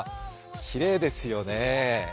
きれいですよね。